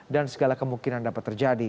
dan segala kemungkinan dapat terjadi